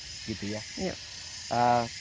karena sudah banyak dari hutan desa ini